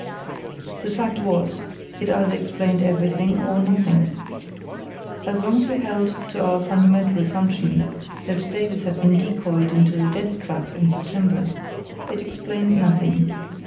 The fact was, it either explained everything or nothing. As long as we held to our fundamental assumption—that Davies had been decoyed into a death trap in September—it explained nothing.